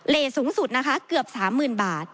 สูงสุดนะคะเกือบ๓๐๐๐บาท